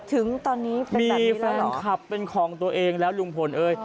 ถึงตอนนี้เป็นแบบนี้แล้วเหรอมีฟันคลับเป็นของตัวเองแล้วลุงพลเฮ้ย